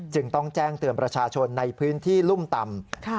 จึงต้องแจ้งเตือนประชาชนในพื้นที่รุ่มต่ำ